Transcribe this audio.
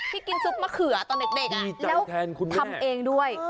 ที่กินซุปมะเขือตอนเด็กแล้วทำเองด้วย